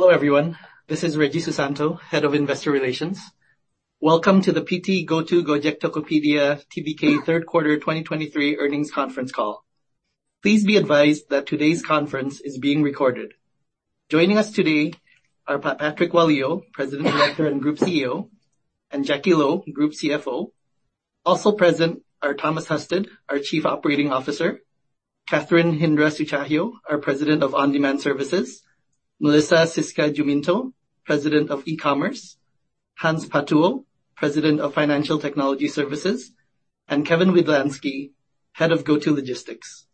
Hello, everyone. This is Reggy Susanto, Head of Investor Relations. Welcome to the PT GoTo Gojek Tokopedia Tbk third quarter 2023 earnings conference call. Please be advised that today's conference is being recorded. Joining us today are Patrick Walujo, President, Director, and Group CEO, and Jacky Lo, Group CFO. Also present are Thomas Husted, our Chief Operating Officer; Catherine Hindra Sutjahyo, our President of On-Demand Services; Melissa Siska Juminto, President of E-commerce; Hans Patuwo, President of Financial Technology Services; and Kevin Widlansky, Head of GoTo Logistics.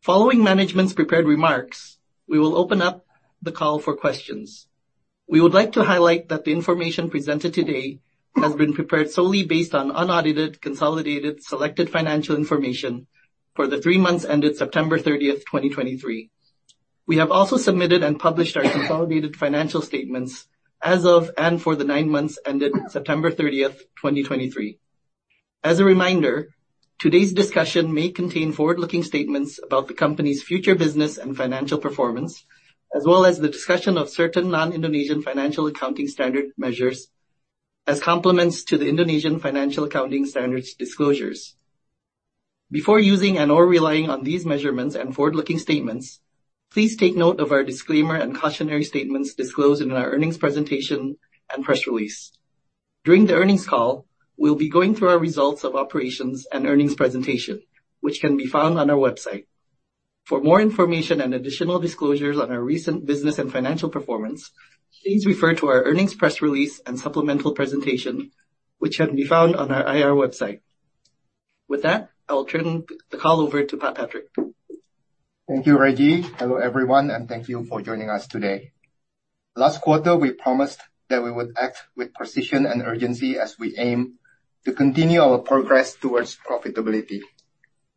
Following management's prepared remarks, we will open up the call for questions. We would like to highlight that the information presented today has been prepared solely based on unaudited, consolidated, selected financial information for the three months ended September 30, 2023. We have also submitted and published our consolidated financial statements as of, and for the nine months ended September 30, 2023. As a reminder, today's discussion may contain forward-looking statements about the company's future business and financial performance, as well as the discussion of certain non-Indonesian financial accounting standard measures as complements to the Indonesian Financial Accounting Standards disclosures. Before using and/or relying on these measurements and forward-looking statements, please take note of our disclaimer and cautionary statements disclosed in our earnings presentation and press release. During the earnings call, we'll be going through our results of operations and earnings presentation, which can be found on our website. For more information and additional disclosures on our recent business and financial performance, please refer to our earnings press release and supplemental presentation, which can be found on our IR website. With that, I will turn the call over to Patrick. Thank you, Reggy. Hello, everyone, and thank you for joining us today. Last quarter, we promised that we would act with precision and urgency as we aim to continue our progress towards profitability,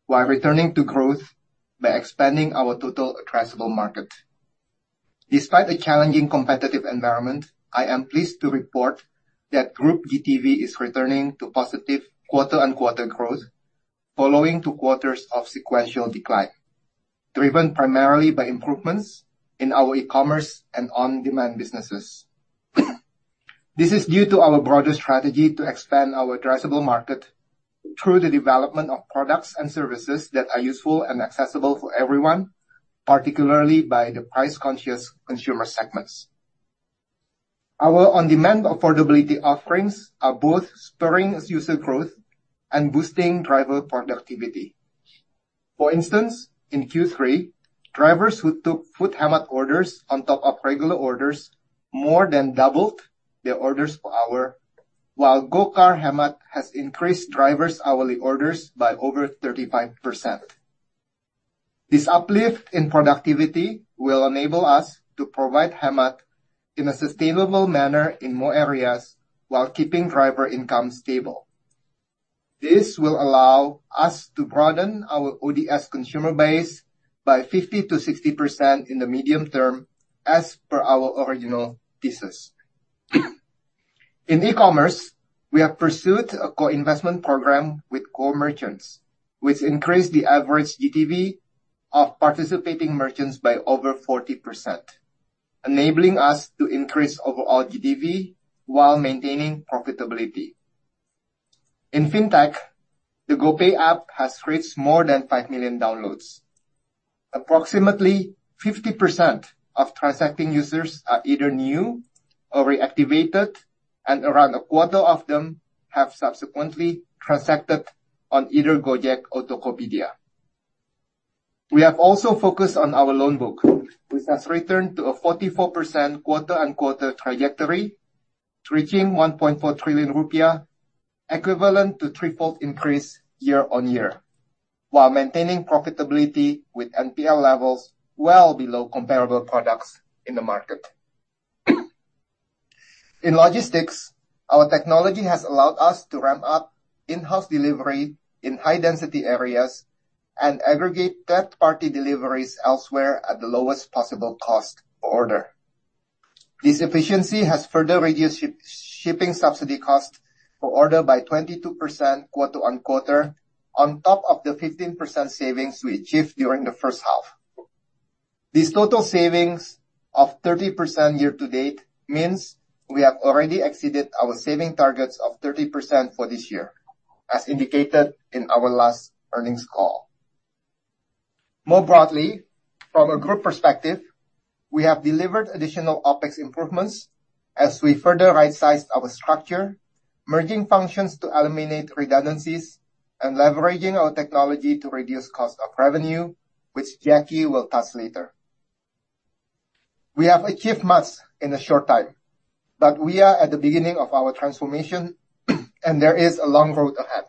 while returning to growth by expanding our total addressable market. Despite a challenging competitive environment, I am pleased to report that Group GTV is returning to positive quarter-on-quarter growth, following two quarters of sequential decline, driven primarily by improvements in our e-commerce and on-demand businesses. This is due to our broader strategy to expand our addressable market through the development of products and services that are useful and accessible for everyone, particularly by the price-conscious consumer segments. Our on-demand affordability offerings are both spurring user growth and boosting driver productivity. For instance, in Q3, drivers who took Food Hemat orders on top of regular orders more than doubled their orders per hour, while GoCar Hemat has increased drivers' hourly orders by over 35%. This uplift in productivity will enable us to provide Hemat in a sustainable manner in more areas, while keeping driver income stable. This will allow us to broaden our ODS consumer base by 50%-60% in the medium term, as per our original thesis. In e-commerce, we have pursued a co-investment program with core merchants, which increased the average GTV of participating merchants by over 40%, enabling us to increase overall GTV while maintaining profitability. In fintech, the GoPay app has created more than 5 million downloads. Approximately 50% of transacting users are either new or reactivated, and around a quarter of them have subsequently transacted on either Gojek or Tokopedia. We have also focused on our loan book, which has returned to a 44% quarter-on-quarter trajectory, reaching 1.4 trillion rupiah, equivalent to threefold increase year-on-year, while maintaining profitability with NPL levels well below comparable products in the market. In logistics, our technology has allowed us to ramp up in-house delivery in high-density areas and aggregate third-party deliveries elsewhere at the lowest possible cost per order. This efficiency has further reduced shipping subsidy cost per order by 22% quarter-on-quarter, on top of the 15% savings we achieved during the first half. This total savings of 30% year-to-date means we have already exceeded our saving targets of 30% for this year, as indicated in our last earnings call. More broadly, from a group perspective, we have delivered additional OpEx improvements as we further right-sized our structure, merging functions to eliminate redundancies and leveraging our technology to reduce cost of revenue, which Jacky will touch later. We have achieved much in a short time, but we are at the beginning of our transformation, and there is a long road ahead.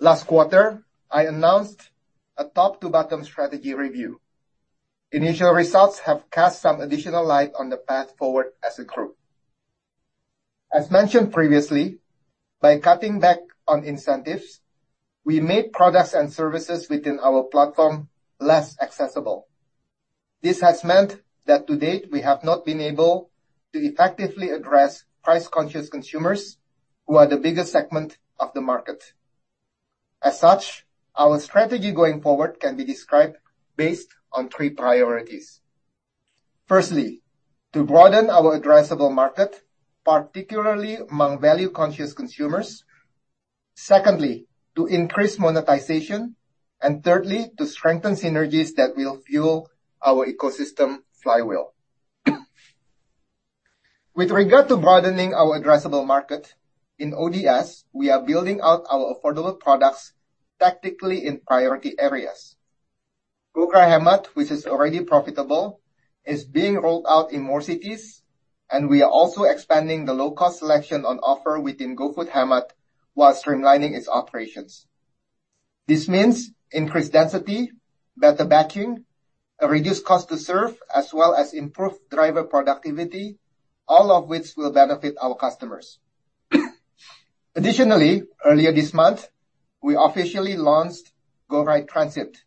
Last quarter, I announced a top-to-bottom strategy review. Initial results have cast some additional light on the path forward as a group. As mentioned previously, by cutting back on incentives, we made products and services within our platform less accessible. This has meant that to date, we have not been able to effectively address price-conscious consumers, who are the biggest segment of the market. As such, our strategy going forward can be described based on three priorities. Firstly, to broaden our addressable market, particularly among value-conscious consumers. Secondly, to increase monetization. Thirdly, to strengthen synergies that will fuel our ecosystem flywheel. With regard to broadening our addressable market, in ODS, we are building out our affordable products tactically in priority areas. GoCar Hemat, which is already profitable, is being rolled out in more cities, and we are also expanding the low-cost selection on offer within GoFood Hemat, while streamlining its operations. This means increased density, better backing, a reduced cost to serve, as well as improved driver productivity, all of which will benefit our customers. Additionally, earlier this month, we officially launched GoRide Transit,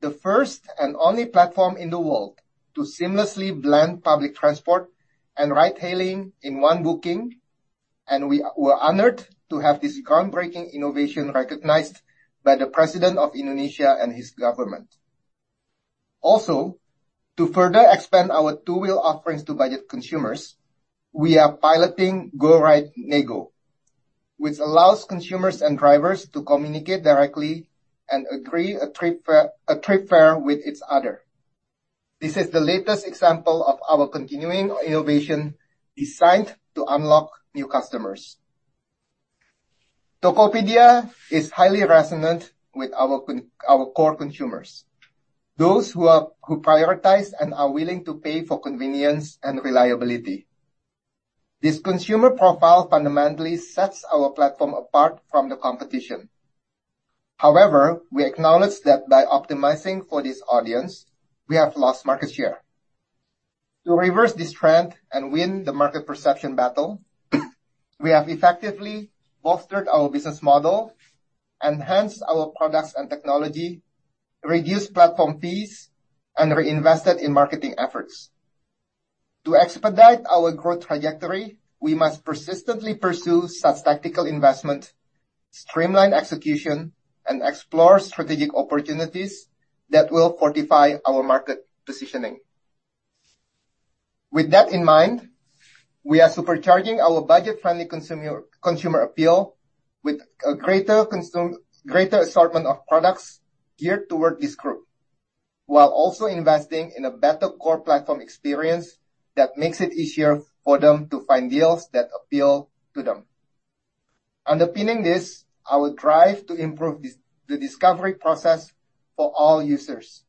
the first and only platform in the world to seamlessly blend public transport and ride hailing in one booking, and we are honored to have this groundbreaking innovation recognized by the President of Indonesia and his government. Also, to further expand our two-wheel offerings to budget consumers, we are piloting GoRide Nego, which allows consumers and drivers to communicate directly and agree a trip fare with each other. This is the latest example of our continuing innovation designed to unlock new customers. Tokopedia is highly resonant with our core consumers, those who prioritize and are willing to pay for convenience and reliability. This consumer profile fundamentally sets our platform apart from the competition. However, we acknowledge that by optimizing for this audience, we have lost market share. To reverse this trend and win the market perception battle, we have effectively bolstered our business model, enhanced our products and technology, reduced platform fees, and reinvested in marketing efforts. To expedite our growth trajectory, we must persistently pursue such tactical investment, streamline execution, and explore strategic opportunities that will fortify our market positioning. With that in mind, we are supercharging our budget-friendly consumer appeal with a greater assortment of products geared toward this group, while also investing in a better core platform experience that makes it easier for them to find deals that appeal to them. Underpinning this, our drive to improve the discovery process for all users.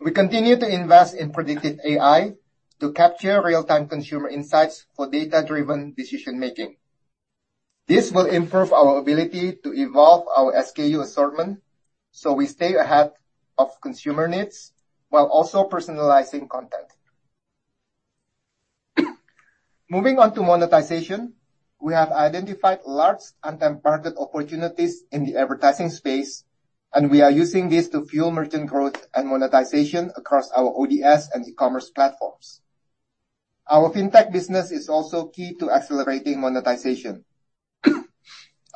We continue to invest in predictive AI to capture real-time consumer insights for data-driven decision making. This will improve our ability to evolve our SKU assortment, so we stay ahead of consumer needs while also personalizing content. Moving on to monetization, we have identified large and targeted opportunities in the advertising space, and we are using this to fuel merchant growth and monetization across our ODS and e-commerce platforms. Our fintech business is also key to accelerating monetization.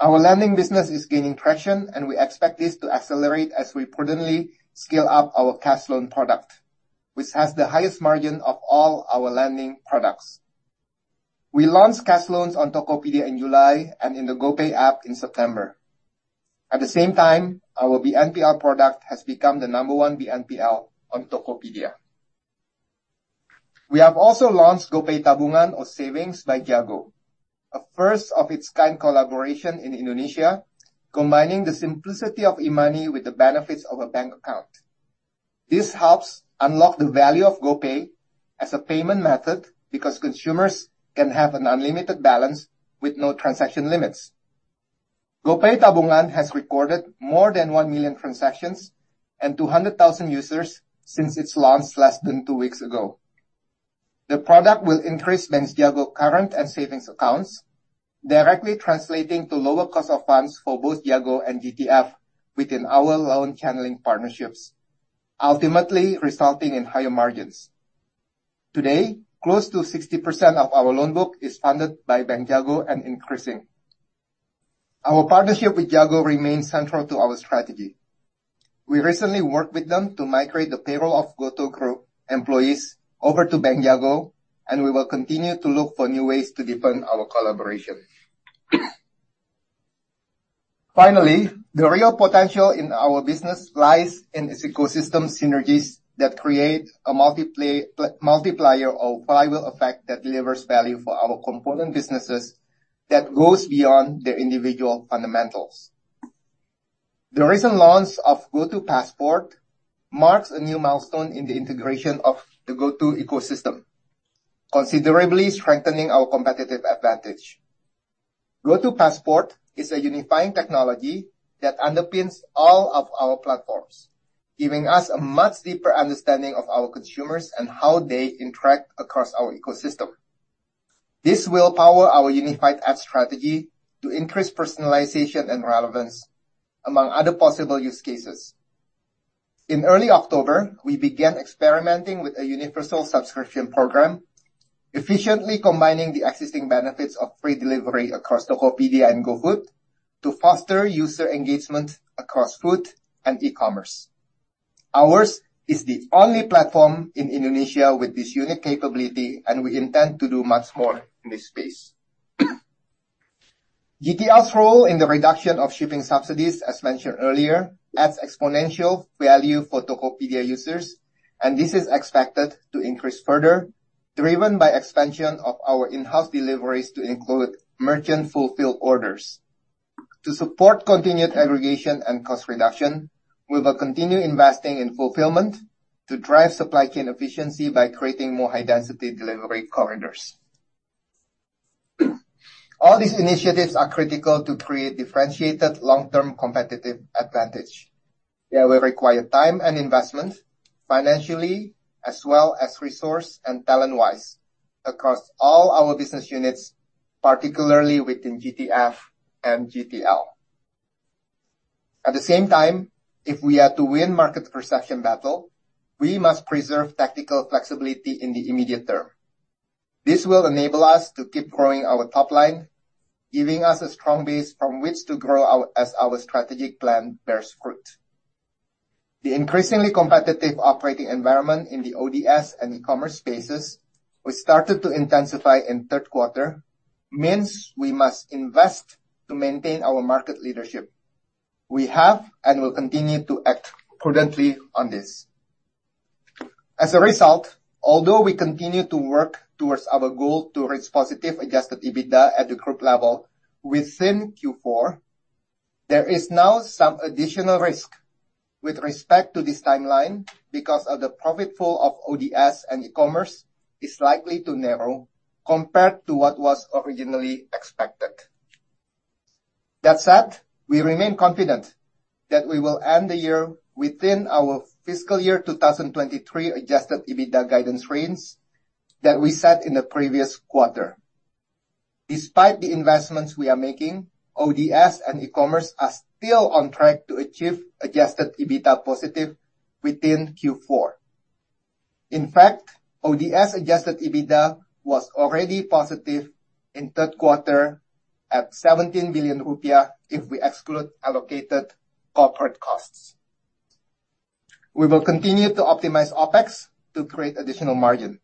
Our lending business is gaining traction, and we expect this to accelerate as we prudently scale up our cash loan product, which has the highest margin of all our lending products. We launched cash loans on Tokopedia in July and in the GoPay app in September. At the same time, our BNPL product has become the number one BNPL on Tokopedia. We have also launched GoPay Tabungan or Savings by Jago, a first-of-its-kind collaboration in Indonesia, combining the simplicity of e-money with the benefits of a bank account. This helps unlock the value of GoPay as a payment method because consumers can have an unlimited balance with no transaction limits. GoPay Tabungan has recorded more than 1 million transactions and 200,000 users since its launch less than two weeks ago. The product will increase Bank Jago current and savings accounts, directly translating to lower cost of funds for both Jago and GTF within our loan channeling partnerships, ultimately resulting in higher margins. Today, close to 60% of our loan book is funded by Bank Jago and increasing. Our partnership with Jago remains central to our strategy. We recently worked with them to migrate the payroll of GoTo Group employees over to Bank Jago, and we will continue to look for new ways to deepen our collaboration. Finally, the real potential in our business lies in its ecosystem synergies that create a multiplier or flywheel effect that delivers value for our component businesses that goes beyond their individual fundamentals. The recent launch of GoTo Passport marks a new milestone in the integration of the GoTo ecosystem, considerably strengthening our competitive advantage. GoTo Passport is a unifying technology that underpins all of our platforms, giving us a much deeper understanding of our consumers and how they interact across our ecosystem. This will power our unified ad strategy to increase personalization and relevance among other possible use cases. In early October, we began experimenting with a universal subscription program, efficiently combining the existing benefits of free delivery across Tokopedia and GoFood to foster user engagement across food and e-commerce. Ours is the only platform in Indonesia with this unique capability, and we intend to do much more in this space. GTF's role in the reduction of shipping subsidies, as mentioned earlier, adds exponential value for Tokopedia users, and this is expected to increase further, driven by expansion of our in-house deliveries to include merchant fulfill orders. To support continued aggregation and cost reduction, we will continue investing in fulfillment to drive supply chain efficiency by creating more high-density delivery corridors. All these initiatives are critical to create differentiated long-term competitive advantage. They will require time and investment, financially, as well as resource and talent-wise, across all our business units, particularly within GTF and GTL. At the same time, if we are to win market perception battle, we must preserve tactical flexibility in the immediate term. This will enable us to keep growing our top line, giving us a strong base from which to grow our, as our strategic plan bears fruit. The increasingly competitive operating environment in the ODS and e-commerce spaces, which started to intensify in third quarter, means we must invest to maintain our market leadership. We have, and will continue to act prudently on this. As a result, although we continue to work towards our goal to reach positive adjusted EBITDA at the group level within Q4, there is now some additional risk with respect to this timeline because of the profit pool of ODS and e-commerce is likely to narrow compared to what was originally expected. That said, we remain confident that we will end the year within our fiscal year 2023 adjusted EBITDA guidance range that we set in the previous quarter. Despite the investments we are making, ODS and e-commerce are still on track to achieve adjusted EBITDA positive within Q4. In fact, ODS adjusted EBITDA was already positive in third quarter at 17 billion rupiah, if we exclude allocated corporate costs. We will continue to optimize OpEx to create additional margin.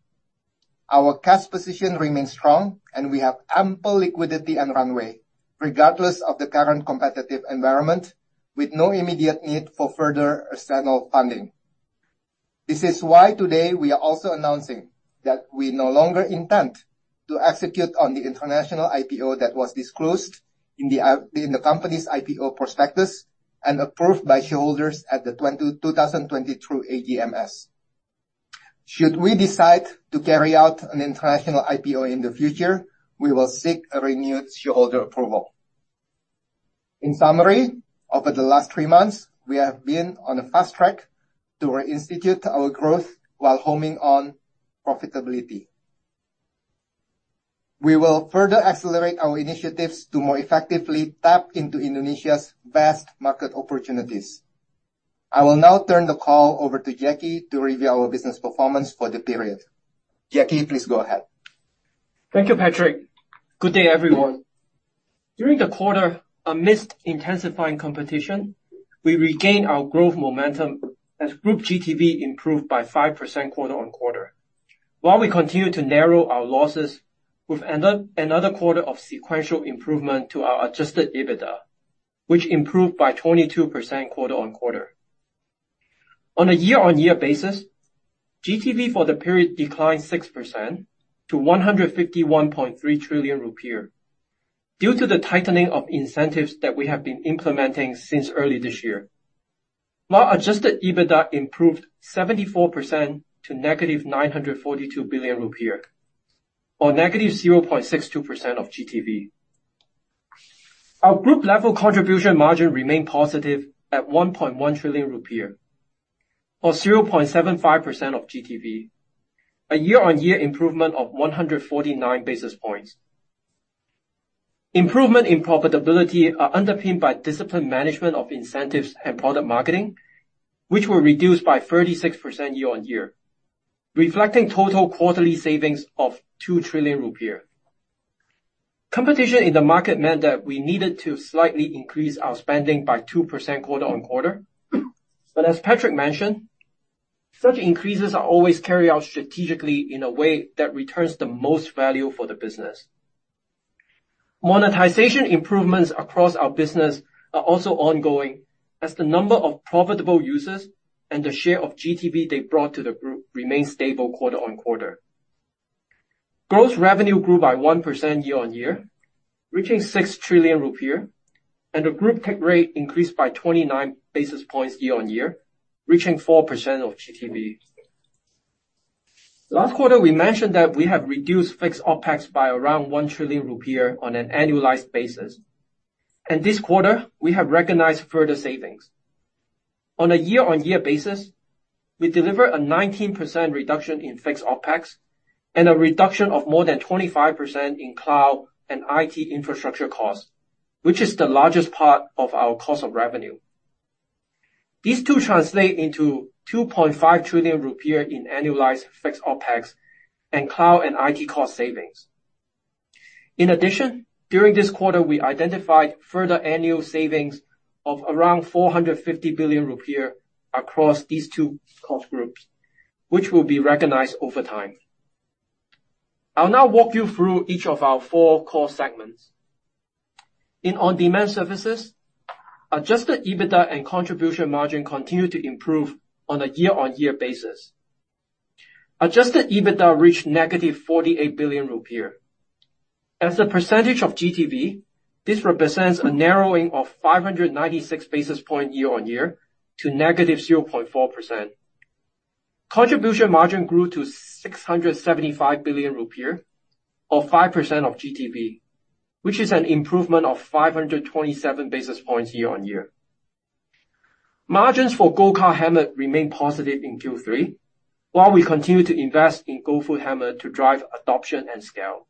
Our cash position remains strong, and we have ample liquidity and runway, regardless of the current competitive environment, with no immediate need for further external funding. This is why today we are also announcing that we no longer intend to execute on the international IPO that was disclosed in the company's IPO prospectus and approved by shareholders at the 2022 AGMS. Should we decide to carry out an international IPO in the future, we will seek a renewed shareholder approval. In summary, over the last three months, we have been on a fast track to re-institute our growth while homing on profitability. We will further accelerate our initiatives to more effectively tap into Indonesia's vast market opportunities. I will now turn the call over to Jacky to review our business performance for the period. Jacky, please go ahead. Thank you, Patrick. Good day, everyone. During the quarter, amidst intensifying competition, we regained our growth momentum as group GTV improved by 5% quarter-over-quarter. While we continue to narrow our losses, we've entered another quarter of sequential improvement to our adjusted EBITDA, which improved by 22% quarter-over-quarter. On a year-on-year basis, GTV for the period declined 6% to 151.3 trillion rupiah due to the tightening of incentives that we have been implementing since early this year. Our adjusted EBITDA improved 74% to -IDR 942 billion, or -0.62% of GTV. Our group level contribution margin remained positive at 1.1 trillion rupiah, or 0.75% of GTV, a year-on-year improvement of 149 basis points. Improvement in profitability are underpinned by disciplined management of incentives and product marketing, which were reduced by 36% year-on-year, reflecting total quarterly savings of 2 trillion rupiah. Competition in the market meant that we needed to slightly increase our spending by 2% quarter-on-quarter. But as Patrick mentioned, such increases are always carried out strategically in a way that returns the most value for the business. Monetization improvements across our business are also ongoing, as the number of profitable users and the share of GTV they brought to the group remains stable quarter-on-quarter. Gross revenue grew by 1% year-on-year, reaching 6 trillion rupiah, and the group take rate increased by 29 basis points year-on-year, reaching 4% of GTV. Last quarter, we mentioned that we have reduced fixed OpEx by around 1 trillion rupiah on an annualized basis, and this quarter we have recognized further savings. On a year-on-year basis, we delivered a 19% reduction in fixed OpEx and a reduction of more than 25% in cloud and IT infrastructure costs, which is the largest part of our cost of revenue. These two translate into 2.5 trillion rupiah in annualized fixed OpEx, and cloud and IT cost savings. In addition, during this quarter, we identified further annual savings of around 450 billion rupiah across these two cost groups, which will be recognized over time. I'll now walk you through each of our four core segments. In on-demand services, adjusted EBITDA and contribution margin continued to improve on a year-on-year basis. Adjusted EBITDA reached -48 billion rupiah. As a percentage of GTV, this represents a narrowing of 596 basis points year-on-year to -0.4%. Contribution margin grew to 675 billion rupiah, or 5% of GTV, which is an improvement of 527 basis points year-on-year. Margins for GoCar Hemat remained positive in Q3, while we continued to invest in GoFood Hemat to drive adoption and scale.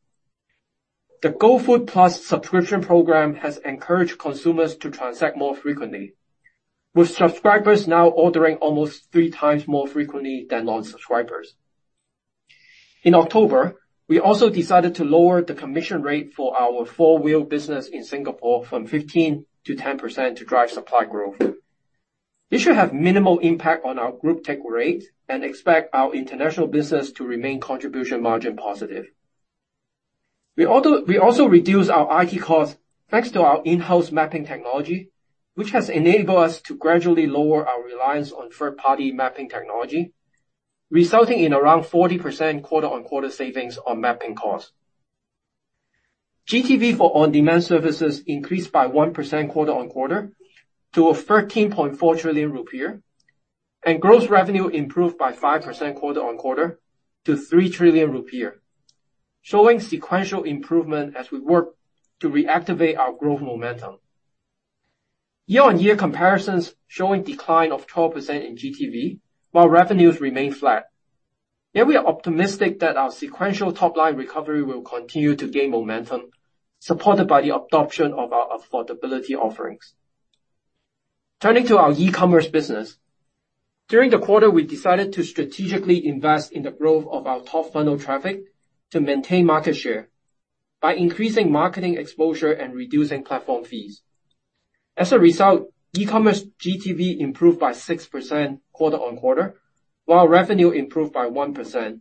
The GoFood Plus subscription program has encouraged consumers to transact more frequently, with subscribers now ordering almost 3x more frequently than non-subscribers. In October, we also decided to lower the commission rate for our four-wheel business in Singapore from 15%-10% to drive supply growth. This should have minimal impact on our group take rate and expect our international business to remain contribution margin positive. We also reduced our IT costs, thanks to our in-house mapping technology, which has enabled us to gradually lower our reliance on third-party mapping technology, resulting in around 40% quarter-over-quarter savings on mapping costs. GTV for on-demand services increased by 1% quarter-over-quarter to 13.4 trillion rupiah, and gross revenue improved by 5% quarter-over-quarter to 3 trillion rupiah, showing sequential improvement as we work to reactivate our growth momentum. Year-on-year comparisons showing decline of 12% in GTV, while revenues remain flat. Yet we are optimistic that our sequential top-line recovery will continue to gain momentum, supported by the adoption of our affordability offerings. Turning to our e-commerce business. During the quarter, we decided to strategically invest in the growth of our top funnel traffic to maintain market share by increasing marketing exposure and reducing platform fees. As a result, e-commerce GTV improved by 6% quarter-on-quarter, while revenue improved by 1%,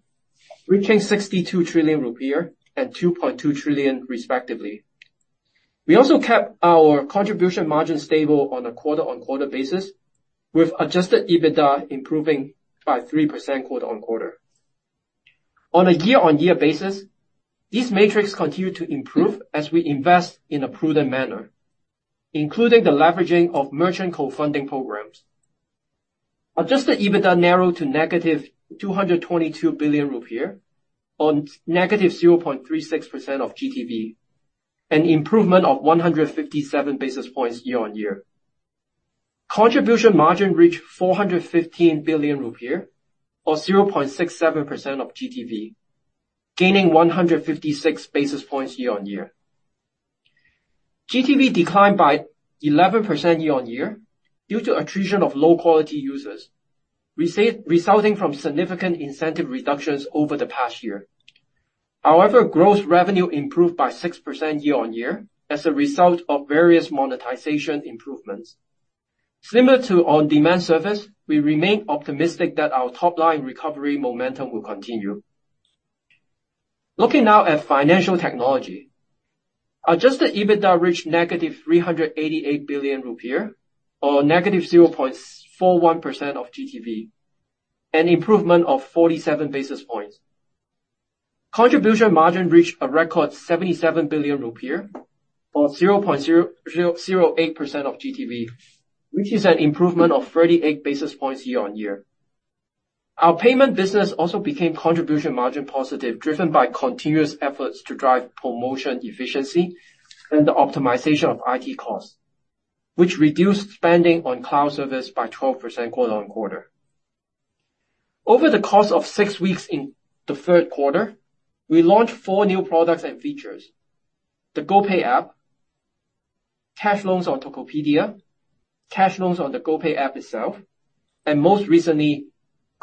reaching 62 trillion rupiah and 2.2 trillion, respectively. We also kept our contribution margin stable on a quarter-on-quarter basis, with adjusted EBITDA improving by 3% quarter-on-quarter. On a year-on-year basis, these metrics continued to improve as we invest in a prudent manner, including the leveraging of merchant co-funding programs. Adjusted EBITDA narrowed to -222 billion rupiah on negative 0.36% of GTV, an improvement of 157 basis points year-on-year. Contribution margin reached 415 billion rupiah or 0.67% of GTV, gaining 156 basis points year-on-year. GTV declined by 11% year-on-year due to attrition of low-quality users, resulting from significant incentive reductions over the past year. However, gross revenue improved by 6% year-on-year as a result of various monetization improvements. Similar to on-demand service, we remain optimistic that our top-line recovery momentum will continue. Looking now at financial technology. Adjusted EBITDA reached -388 billion rupiah, or -0.41% of GTV, an improvement of 47 basis points. Contribution margin reached a record 77 billion rupiah, or 0.008% of GTV, which is an improvement of 38 basis points year-on-year. Our payment business also became contribution margin positive, driven by continuous efforts to drive promotion efficiency and the optimization of IT costs, which reduced spending on cloud service by 12% quarter-over-quarter. Over the course of six weeks in the third quarter, we launched four new products and features: the GoPay app, cash loans on Tokopedia, cash loans on the GoPay app itself, and most recently,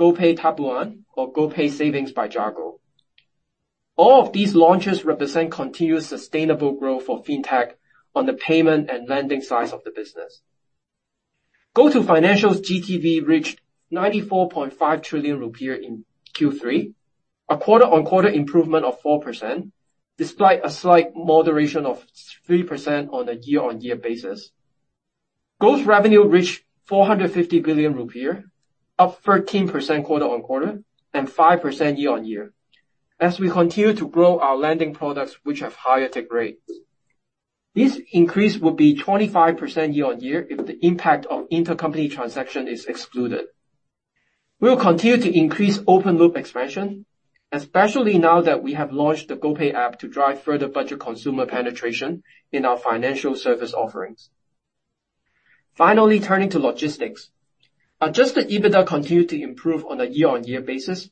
GoPay Tabungan or GoPay Savings by Jago. All of these launches represent continuous sustainable growth for fintech on the payment and lending sides of the business. GoTo Financial's GTV reached 94.5 trillion rupiah in Q3, a quarter-on-quarter improvement of 4%, despite a slight moderation of 3% on a year-on-year basis. Gross revenue reached 450 billion rupiah, up 13% quarter-on-quarter and 5% year-on-year, as we continue to grow our lending products, which have higher tech rates. This increase will be 25% year-on-year, if the impact of intercompany transaction is excluded. We will continue to increase open loop expansion, especially now that we have launched the GoPay app to drive further budget consumer penetration in our financial service offerings. Finally, turning to logistics. Adjusted EBITDA continued to improve on a year-on-year basis,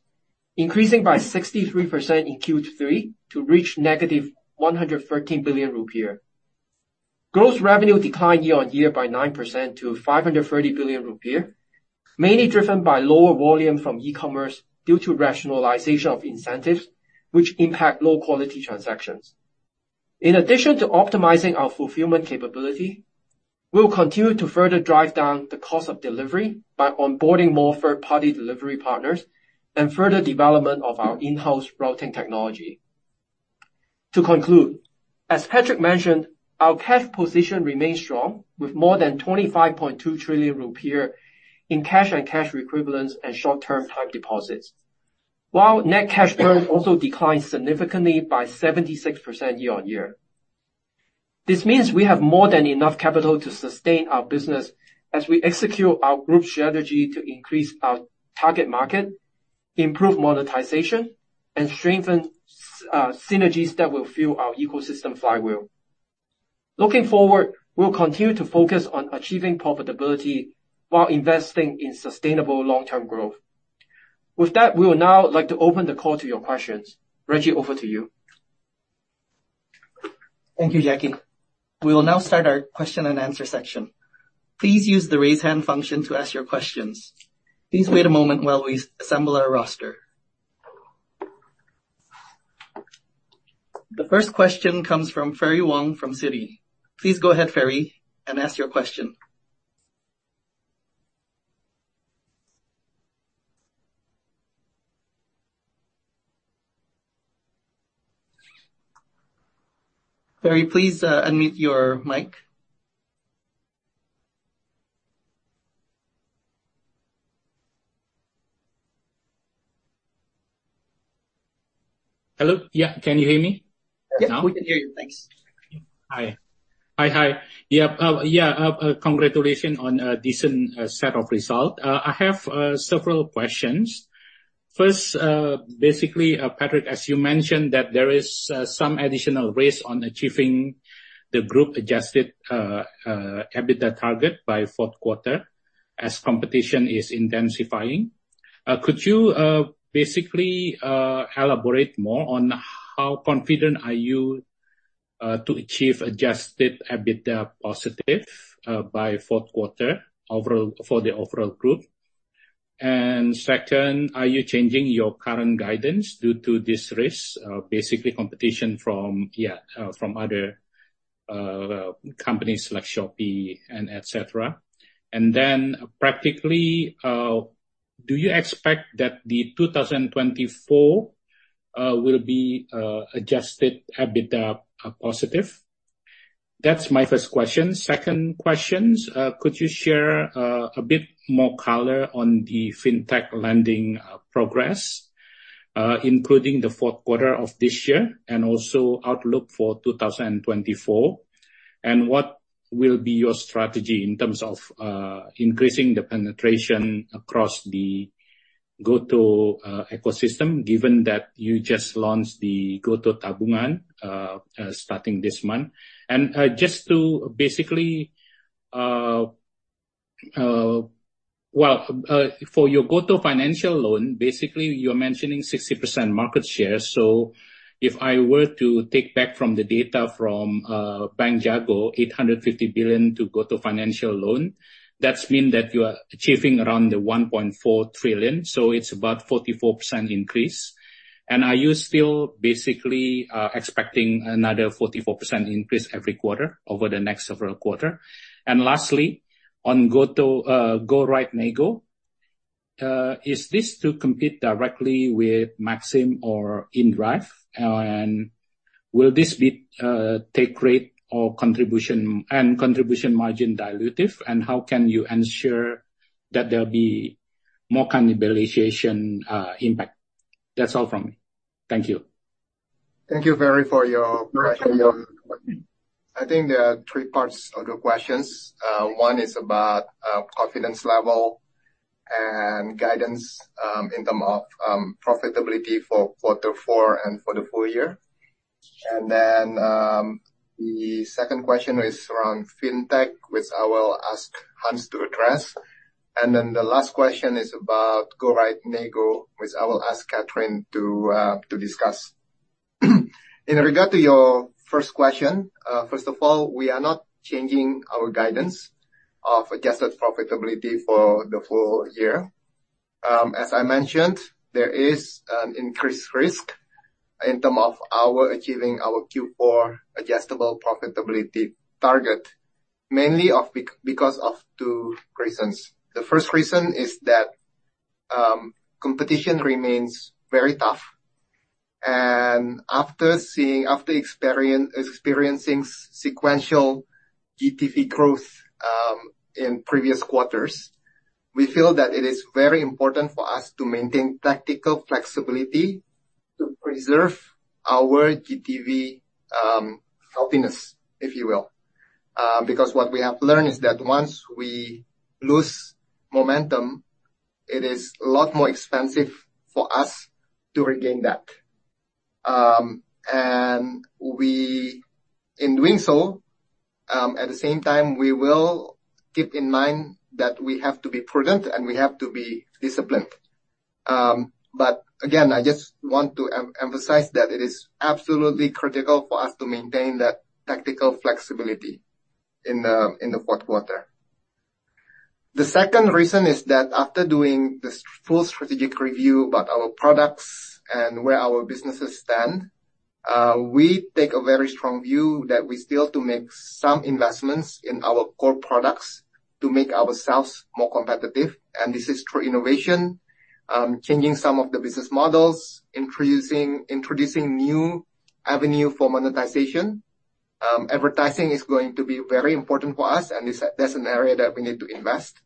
increasing by 63% in Q3 to reach - 113 billion rupiah. Gross revenue declined year-on-year by 9% to 530 billion rupiah, mainly driven by lower volume from e-commerce due to rationalization of incentives, which impact low-quality transactions. In addition to optimizing our fulfillment capability, we will continue to further drive down the cost of delivery by onboarding more third-party delivery partners and further development of our in-house routing technology. To conclude, as Patrick mentioned, our cash position remains strong, with more than 25.2 trillion rupiah in cash and cash equivalents and short-term time deposits, while net cash flow also declined significantly by 76% year-on-year. This means we have more than enough capital to sustain our business as we execute our group strategy to increase our target market, improve monetization, and strengthen synergies that will fuel our ecosystem flywheel. Looking forward, we'll continue to focus on achieving profitability while investing in sustainable long-term growth. With that, we will now like to open the call to your questions. Reggy, over to you. Thank you, Jacky. We will now start our question and answer section. Please use the raise hand function to ask your questions. Please wait a moment while we assemble our roster. The first question comes from Ferry Wong from Citi. Please go ahead, Ferry, and ask your question. Ferry, please, unmute your mic. Hello? Yeah, can you hear me now? Yes, we can hear you. Thanks. Hi. Hi, hi. Congratulations on a decent set of results. I have several questions. First, basically, Patrick, as you mentioned, that there is some additional risk on achieving the group-adjusted EBITDA target by fourth quarter as competition is intensifying. Could you basically elaborate more on how confident are you to achieve adjusted EBITDA positive by fourth quarter overall for the overall group? And second, are you changing your current guidance due to this risk, basically competition from other companies like Shopee and et cetera? And then practically, do you expect that the 2024 will be adjusted EBITDA positive? That's my first question. Second question, could you share a bit more color on the fintech lending progress, including the fourth quarter of this year and also outlook for 2024? What will be your strategy in terms of increasing the penetration across the GoTo ecosystem, given that you just launched the GoPay Tabungan starting this month? Just to basically, well, for your GoTo Financial loan, basically, you're mentioning 60% market share. If I were to take back from the data from Bank Jago, 850 billion to GoTo Financial loan, that means that you are achieving around 1.4 trillion, so it's about 44% increase. Are you still basically expecting another 44% increase every quarter over the next several quarters? Lastly, on GoTo, GoRide Nego, is this to compete directly with Maxim or inDrive? Will this be take rate or contribution, and contribution margin dilutive? How can you ensure that there'll be more cannibalization impact? That's all from me. Thank you. Thank you, Ferry, for your question. I think there are three parts of the questions. One is about confidence level and guidance in terms of profitability for quarter four and for the full year. The second question is around fintech, which I will ask Hans to address. The last question is about GoRide Nego, which I will ask Catherine to discuss. In regard to your first question, first of all, we are not changing our guidance of adjusted profitability for the full year. As I mentioned, there is an increased risk in terms of our achieving our Q4 adjusted profitability target, mainly because of two reasons. The first reason is that competition remains very tough. After experiencing sequential GTV growth in previous quarters, we feel that it is very important for us to maintain tactical flexibility to preserve our GTV healthiness, if you will. Because what we have learned is that once we lose momentum, it is a lot more expensive for us to regain that. And in doing so, at the same time, we will keep in mind that we have to be prudent and we have to be disciplined. But again, I just want to emphasize that it is absolutely critical for us to maintain that tactical flexibility in the fourth quarter. The second reason is that after doing this full strategic review about our products and where our businesses stand, we take a very strong view that we still to make some investments in our core products to make ourselves more competitive, and this is through innovation, changing some of the business models, introducing new avenue for monetization. Advertising is going to be very important for us, and that's an area that we need to invest.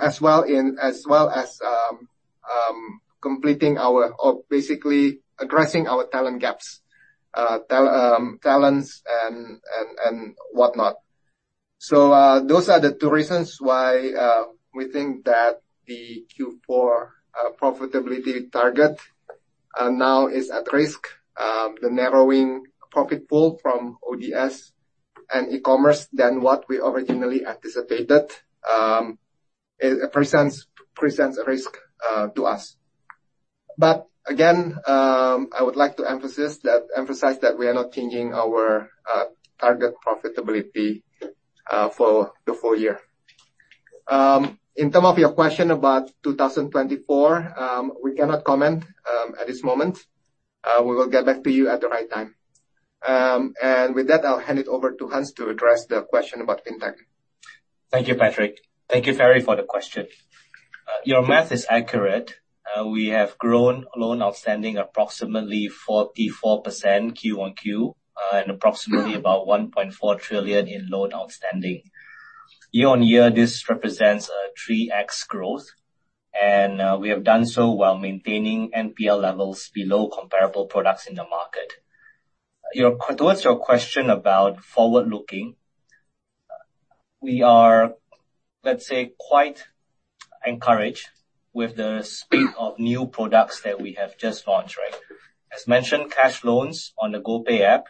As well as completing our basically addressing our talent gaps, talents and whatnot. So, those are the two reasons why we think that the Q4 profitability target now is at risk. The narrowing profit pool from ODS and e-commerce than what we originally anticipated, it presents, presents a risk to us. Again, I would like to emphasize that we are not changing our target profitability for the full year. In term of your question about 2024, we cannot comment at this moment. We will get back to you at the right time. With that, I'll hand it over to Hans to address the question about fintech. Thank you, Patrick. Thank you, Ferry, for the question. Your math is accurate. We have grown loan outstanding approximately 44% quarter-on-quarter, and approximately about 1.4 trillion in loan outstanding. Year-on-year, this represents a 3x growth, and we have done so while maintaining NPL levels below comparable products in the market. You know, towards your question about forward-looking, we are, let's say, quite encouraged with the speed of new products that we have just launched, right? As mentioned, Cash Loans on the GoPay app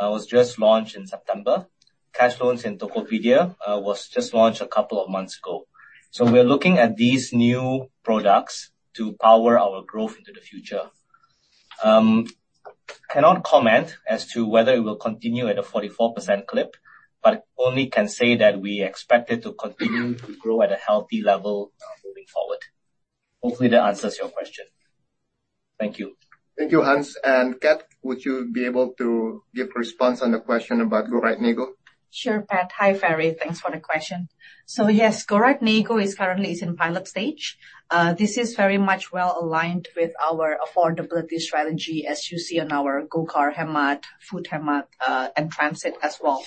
was just launched in September. Cash Loans in Tokopedia was just launched a couple of months ago. We're looking at these new products to power our growth into the future. Cannot comment as to whether it will continue at a 44% clip, but only can say that we expect it to continue to grow at a healthy level, moving forward. Hopefully, that answers your question. Thank you. Thank you, Hans. Cat, would you be able to give a response on the question about GoRide Nego? Sure, Pat. Hi, Ferry. Thanks for the question. Yes, GoRide Nego is currently in pilot stage. This is very much well aligned with our affordability strategy, as you see on our GoCar Hemat, Food Hemat, and Transit as well.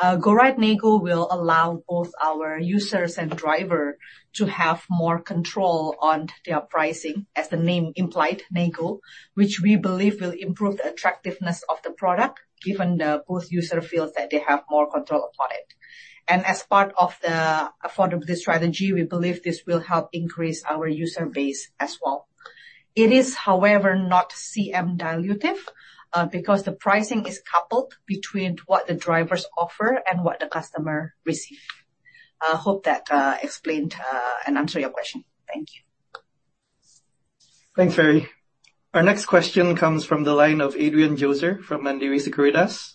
GoRide Nego will allow both our users and driver to have more control on their pricing, as the name implied, Nego, which we believe will improve the attractiveness of the product, given the both user feels that they have more control upon it. As part of the affordability strategy, we believe this will help increase our user base as well. It is, however, not CM dilutive, because the pricing is coupled between what the drivers offer and what the customer receive. I hope that explained and answer your question. Thank you. Thanks, Ferry. Our next question comes from the line of Adrian Joezer from Mandiri Sekuritas.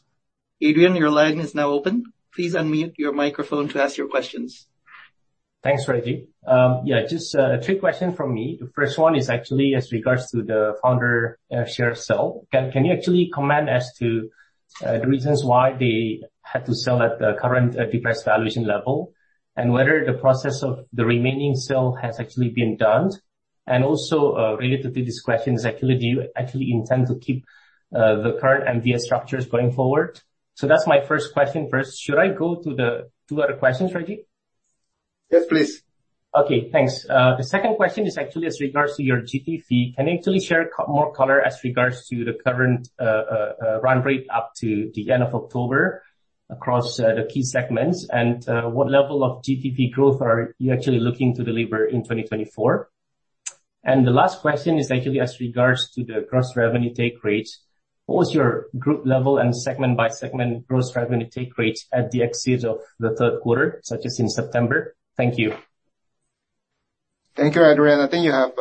Adrian, your line is now open. Please unmute your microphone to ask your questions. Thanks, Reggy. Yeah, just, three questions from me. The first one is actually as regards to the founder share sale. Can you actually comment as to the reasons why they had to sell at the current depressed valuation level? Whether the process of the remaining sale has actually been done? Also, related to these questions, do you actually intend to keep the current MVS structures going forward? That's my first question first. Should I go to the two other questions, Reggy? Yes, please. Okay, thanks. The second question is actually as regards to your GTV fee. Can you actually share more color as regards to the current run rate up to the end of October across the key segments? And what level of GTV growth are you actually looking to deliver in 2024? And the last question is actually as regards to the gross revenue take rate. What was your group level and segment-by-segment gross revenue take rate at the exit of the third quarter, such as in September? Thank you. Thank you, Adrian. I think you have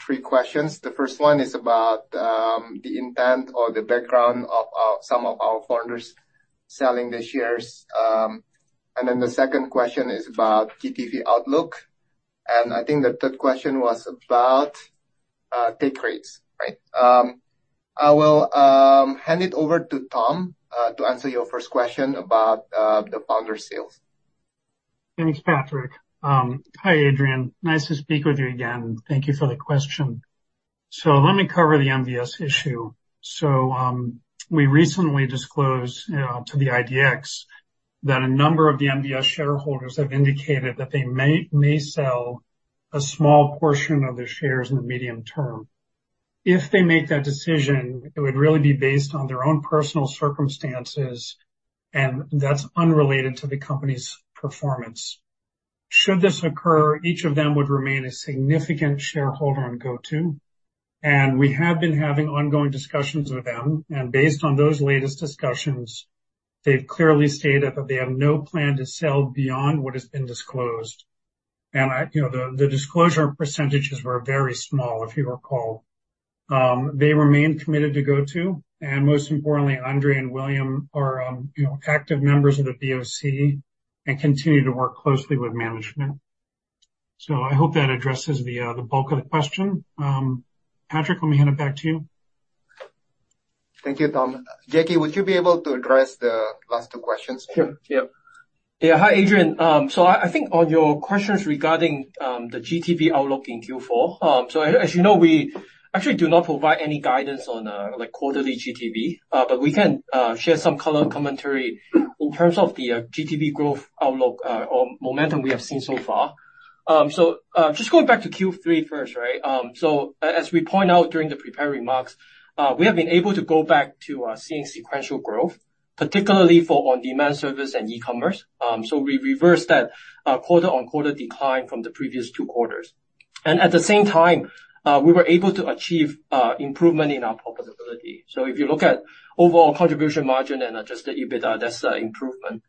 three questions. The first one is about the intent or the background of some of our founders selling their shares. And then the second question is about GTV outlook. And I think the third question was about take rates, right? I will hand it over to Tom to answer your first question about the founder sales. Thanks, Patrick. Hi, Adrian. Nice to speak with you again. Thank you for the question. Let me cover the MVS issue. We recently disclosed to the IDX that a number of the MVS shareholders have indicated that they may sell a small portion of their shares in the medium term. If they make that decision, it would really be based on their own personal circumstances, and that's unrelated to the company's performance. Should this occur, each of them would remain a significant shareholder on GoTo, and we have been having ongoing discussions with them. Based on those latest discussions, they've clearly stated that they have no plan to sell beyond what has been disclosed. I, you know, the disclosure percentages were very small, if you recall. They remain committed to GoTo, and most importantly, Andre and William are, you know, active members of the BOC and continue to work closely with management. So I hope that addresses the bulk of the question. Patrick, let me hand it back to you. Thank you, Tom. Jacky, would you be able to address the last two questions? Sure. Yep. Yeah. Hi, Adrian. So I think on your questions regarding the GTV outlook in Q4, so as you know, we actually do not provide any guidance on, like, quarterly GTV. But we can share some color commentary in terms of the GTV growth outlook or momentum we have seen so far. So just going back to Q3 first, right? So as we point out during the prepared remarks, we have been able to go back to seeing sequential growth, particularly for on-demand service and e-commerce. So we reversed that quarter-on-quarter decline from the previous two quarters. And at the same time, we were able to achieve improvement in our profitability. So if you look at overall contribution margin and adjusted EBITDA, that's improvement.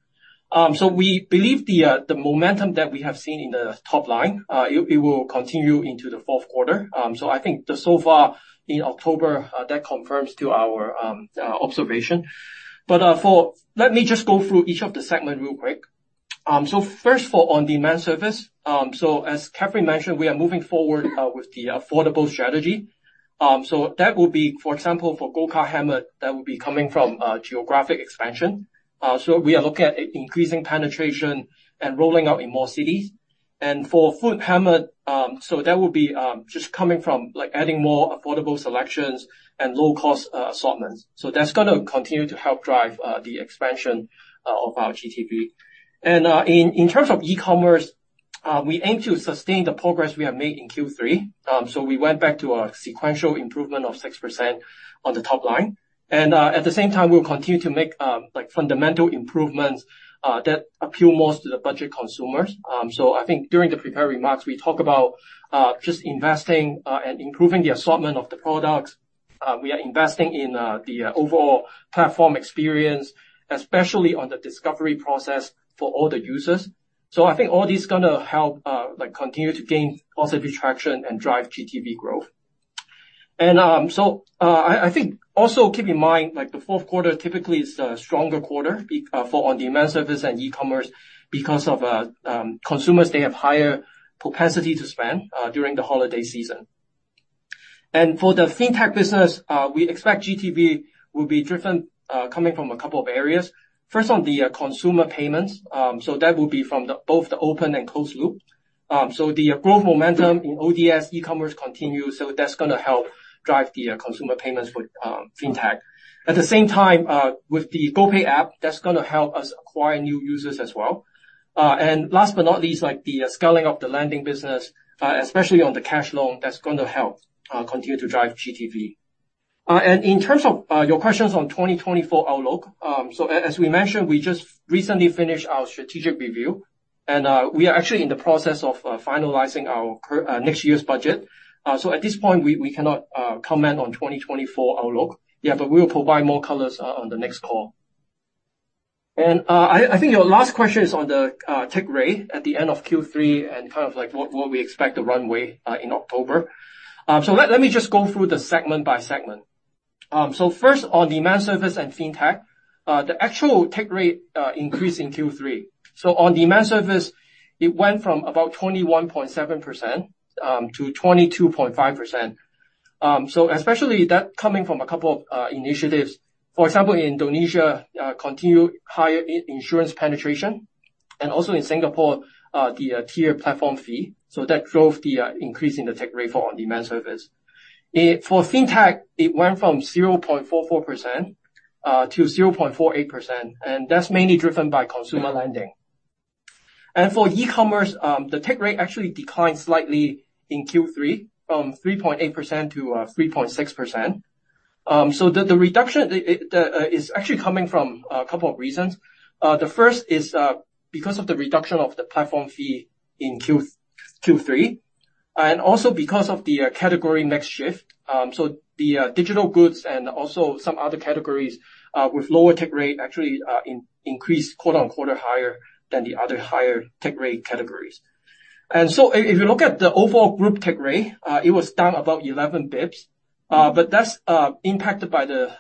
So we believe the, the momentum that we have seen in the top line, it, it will continue into the fourth quarter. So I think that so far in October, that confirms to our, observation. But, for... Let me just go through each of the segments real quick. So first of all, on-demand services. So as Catherine mentioned, we are moving forward, with the affordable strategy. So that will be, for example, for GoCar Hemat, that will be coming from, geographic expansion. So we are looking at increasing penetration and rolling out in more cities. And for GoFood Hemat, so that will be, just coming from, like, adding more affordable selections and low-cost, assortments. So that's gonna continue to help drive, the expansion, of our GTV. In terms of e-commerce, we aim to sustain the progress we have made in Q3. We went back to a sequential improvement of 6% on the top line, and at the same time, we'll continue to make, like, fundamental improvements that appeal more to the budget consumers. I think during the prepared remarks, we talk about just investing and improving the assortment of the products. We are investing in the overall platform experience, especially on the discovery process for all the users. I think all this is gonna help, like, continue to gain positive traction and drive GTV growth. I think also keep in mind, like, the fourth quarter typically is a stronger quarter for on-demand service and e-commerce because consumers, they have higher propensity to spend during the holiday season. For the fintech business, we expect GTV will be driven, coming from a couple of areas. First, on the consumer payments, so that will be from both the open and closed loop. The growth momentum in ODS e-commerce continues, so that's gonna help drive the consumer payments with Fintech. At the same time, with the GoPay app, that's gonna help us acquire new users as well. Last but not least, like the scaling of the lending business, especially on the cash loan, that's gonna help continue to drive GTV. In terms of your questions on 2024 outlook, as we mentioned, we just recently finished our strategic review, and we are actually in the process of finalizing our current, next year's budget. At this point, we cannot comment on 2024 outlook. Yeah, we will provide more colors on the next call. I think your last question is on the take rate at the end of Q3, and kind of like what we expect the runway in October. Let me just go through the segment by segment. First, on demand service and fintech, the actual take rate increased in Q3. On demand service, it went from about 21.7%-22.5%. Especially that coming from a couple of initiatives. For example, Indonesia continued higher insurance penetration, and also in Singapore, the tier platform fee. That drove the increase in the take rate for on-demand service. For fintech, it went from 0.44%-0.48%, and that's mainly driven by consumer lending. For e-commerce, the take rate actually declined slightly in Q3, from 3.8%-3.6%. The reduction is actually coming from a couple of reasons. The first is because of the reduction of the platform fee in Q3, and also because of the category mix shift. The digital goods and also some other categories with lower take rate actually increased quarter-over-quarter higher than the other higher take rate categories. If you look at the overall group take rate, it was down about 11 basis points, but that's impacted by the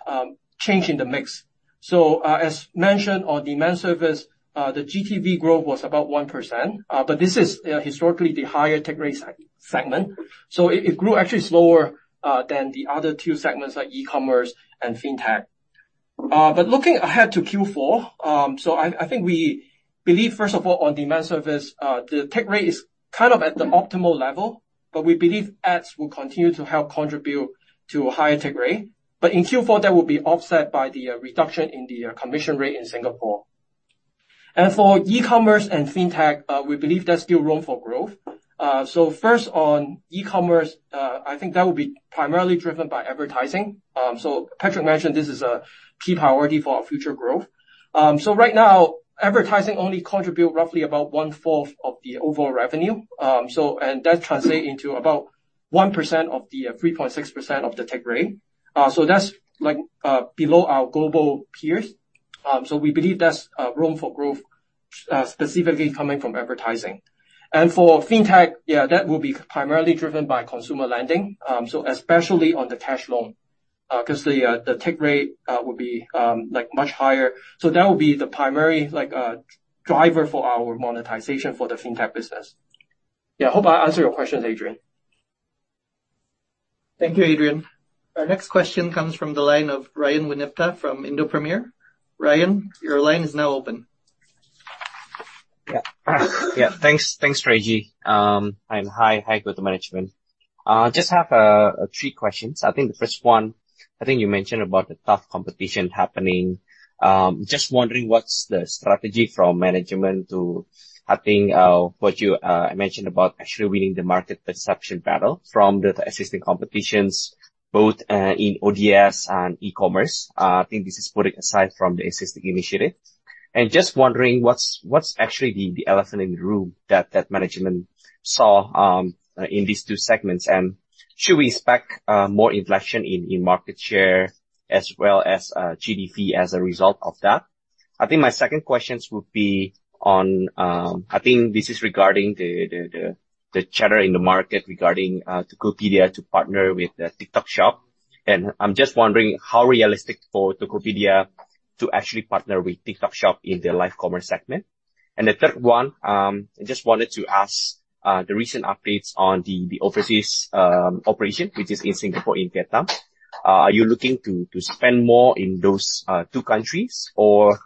change in the mix. As mentioned, on-demand service, the GTV growth was about 1%, but this is historically the higher take rate segment, so it grew actually slower than the other two segments like e-commerce and fintech. Looking ahead to Q4, I think we believe, first of all, on-demand service, the take rate is kind of at the optimal level, but we believe ads will continue to help contribute to a higher take rate. In Q4, that will be offset by the reduction in the commission rate in Singapore. For e-commerce and fintech, we believe there's still room for growth. First, on e-commerce, I think that will be primarily driven by advertising. Patrick mentioned this is a key priority for our future growth. Right now, advertising only contribute roughly about 1/4 of the overall revenue, and that translate into about 1% of the, 3.6% of the take rate. So that's like, below our global peers. So we believe that's, room for growth, specifically coming from advertising. And for fintech, yeah, that will be primarily driven by consumer lending. So especially on the cash loan, 'cause the, the take rate, will be, like, much higher. So that will be the primary, like, driver for our monetization for the Fintech business. Yeah, I hope I answered your question, Adrian. Thank you, Adrian. Our next question comes from the line of Ryan Winipta from Indo Premier. Ryan, your line is now open. Yeah. Yeah, thanks. Thanks, Reggy. Hi. Hi, GoTo management. Just have three questions. I think the first one, I think you mentioned about the tough competition happening. Just wondering, what's the strategy from management to, I think, what you mentioned about actually winning the market perception battle from the existing competitions, both in ODS and e-commerce. I think this is putting aside from the existing initiative. Just wondering, what's actually the elephant in the room that management saw in these two segments? Should we expect more inflation in market share as well as GDP as a result of that? I think my second questions would be on, I think this is regarding the chatter in the market regarding Tokopedia to partner with the TikTok Shop. I'm just wondering how realistic for Tokopedia to actually partner with TikTok Shop in their live commerce segment. The third one, I just wanted to ask the recent updates on the overseas operation, which is in Singapore and Vietnam. Are you looking to spend more in those two countries or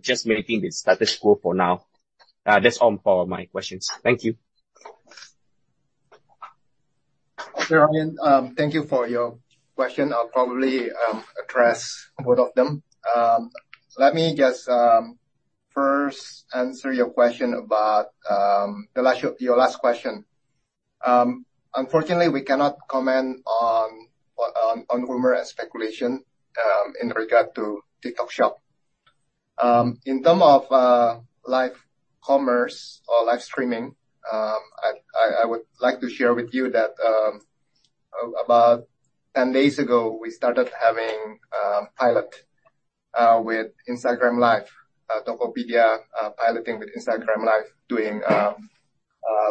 just maintaining the status quo for now? That's all for my questions. Thank you. Sure, Ryan, thank you for your question. I'll probably address both of them. Let me just first answer your question about the last, your last question. Unfortunately, we cannot comment on rumor and speculation in regard to TikTok Shop. In term of live commerce or live streaming, I would like to share with you that about 10 days ago, we started having pilot with Instagram Live, Tokopedia piloting with Instagram Live, doing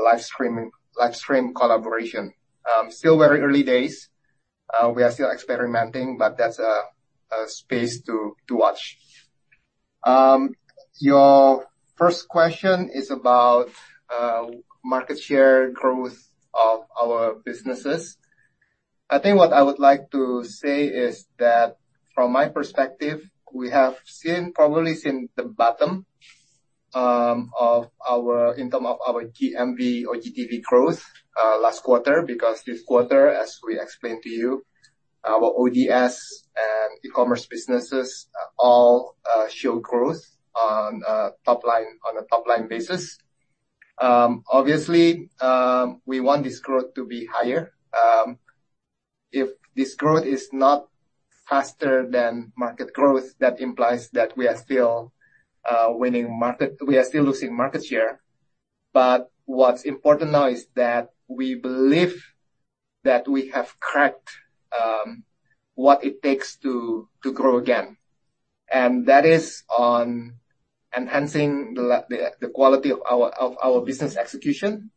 live streaming, live stream collaboration. Still very early days. We are still experimenting, but that's a space to watch. Your first question is about market share growth of our businesses. I think what I would like to say is that from my perspective, we have seen, probably seen the bottom, of our, in terms of our GMV or GTV growth, last quarter, because this quarter, as we explained to you, our ODS and e-commerce businesses, all, show growth on, top line, on a top-line basis. Obviously, we want this growth to be higher. If this growth is not faster than market growth, that implies that we are still, winning market. We are still losing market share. But what's important now is that we believe that we have cracked, what it takes to, to grow again. That is on enhancing the quality of our business execution,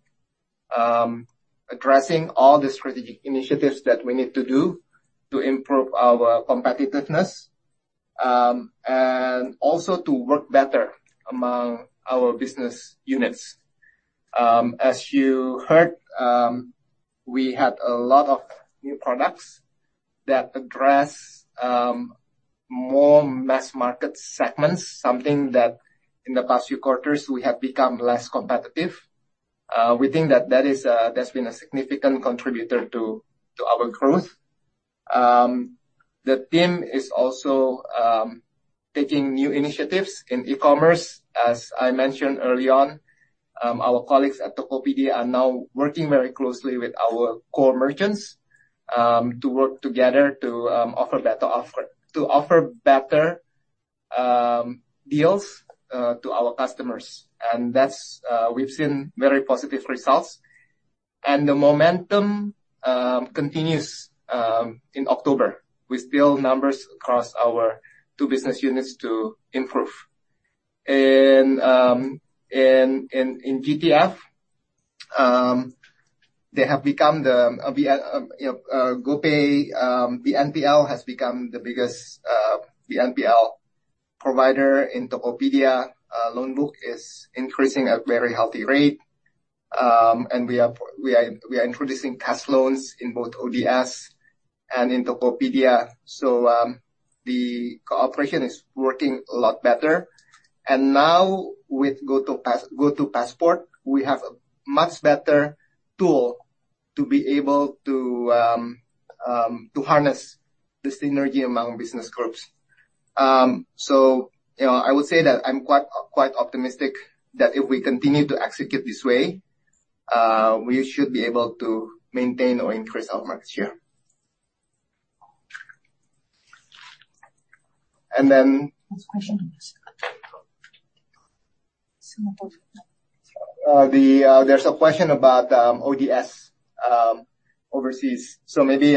addressing all the strategic initiatives that we need to do to improve our competitiveness, and also to work better among our business units. As you heard, we had a lot of new products that address more mass-market segments, something that in the past few quarters, we have become less competitive. We think that that has been a significant contributor to our growth. The team is also taking new initiatives in e-commerce. As I mentioned early on, our colleagues at Tokopedia are now working very closely with our core merchants to work together to offer better, to offer better deals to our customers. That's, we've seen very positive results. The momentum continues in October, with bill numbers across our two business units to improve. In GTF, they have become the, you know, GoPay, the NPL has become the biggest, the NPL provider in Tokopedia. Loan book is increasing at a very healthy rate, and we are introducing cash loans in both ODS and in Tokopedia. The cooperation is working a lot better. Now with GoTo Passport, we have a much better tool to be able to harness the synergy among business groups. You know, I would say that I'm quite, quite optimistic that if we continue to execute this way, we should be able to maintain or increase our market share... and then... There's a question about ODS overseas. So maybe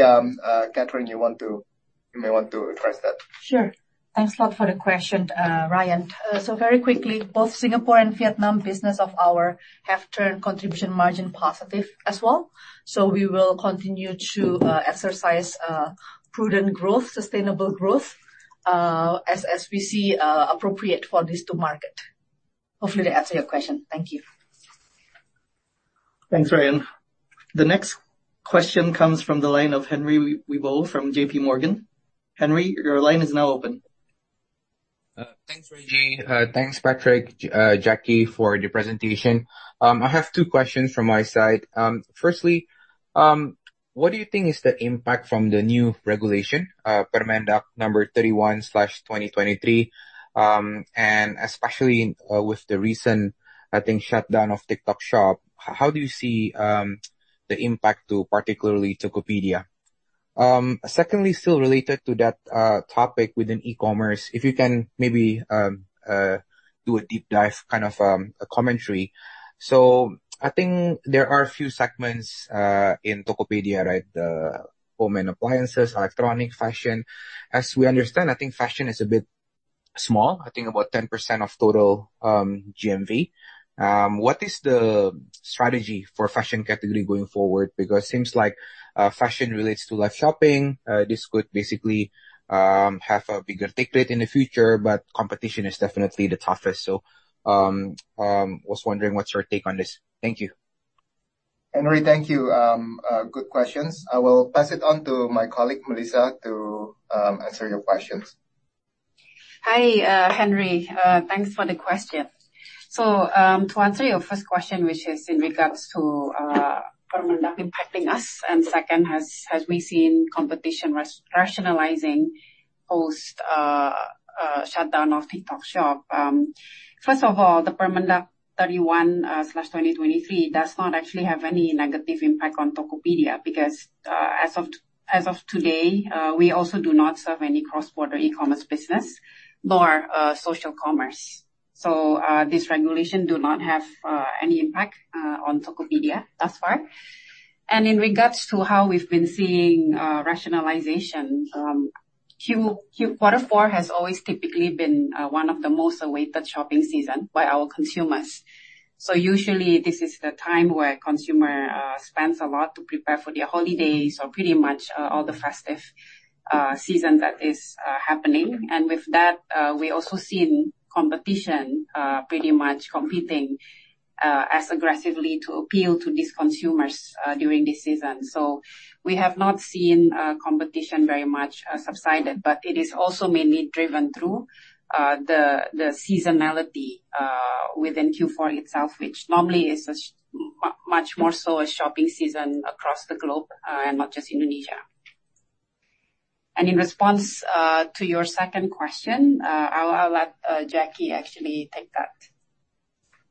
Catherine, you want to—you may want to address that. Sure. Thanks a lot for the question, Ryan. So very quickly, both Singapore and Vietnam business of our half turn contribution margin positive as well. So we will continue to exercise prudent growth, sustainable growth, as we see appropriate for this to market. Hopefully, that answers your question. Thank you. Thanks, Ryan. The next question comes from the line of Henry Wibowo from JPMorgan. Henry, your line is now open. Thanks, Reggy. Thanks, Patrick, Jacky, for the presentation. I have two questions from my side. Firstly, what do you think is the impact from the new regulation, Permendag number 31/2023, and especially with the recent, I think, shutdown of TikTok Shop, how do you see the impact to particularly Tokopedia? Secondly, still related to that topic within e-commerce, if you can maybe do a deep dive, kind of, a commentary. So I think there are a few segments in Tokopedia, right? The home and appliances, electronic, fashion. As we understand, I think fashion is a bit small, I think about 10% of total GMV. What is the strategy for fashion category going forward? Because it seems like fashion relates to live shopping. This could basically have a bigger take rate in the future, but competition is definitely the toughest. So, was wondering what's your take on this? Thank you. Henry, thank you. Good questions. I will pass it on to my colleague, Melissa, to answer your questions. Hi, Henry. Thanks for the question. So, to answer your first question, which is in regards to, Permendag impacting us, and second, have we seen competition rationalizing post shutdown of TikTok Shop? First of all, the Permendag 31/2023 does not actually have any negative impact on Tokopedia, because, as of today, we also do not serve any cross-border e-commerce business nor, social commerce. So, this regulation do not have, any impact, on Tokopedia, thus far. And in regards to how we've been seeing, rationalization, quarter four has always typically been, one of the most awaited shopping season by our consumers. So usually this is the time where consumer spends a lot to prepare for their holidays or pretty much all the festive season that is happening. And with that, we also seen competition pretty much competing as aggressively to appeal to these consumers during this season. So we have not seen competition very much subsided, but it is also mainly driven through the seasonality within Q4 itself, which normally is a much more so a shopping season across the globe and not just Indonesia. And in response to your second question, I'll let Jackie actually take that.